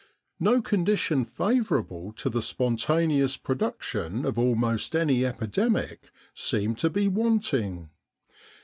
No condition favourable to the spontaneous production of almost any epidemic seemed to be wanting.